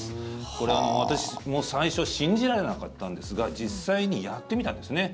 これ、私も最初信じられなかったんですが実際にやってみたんですね。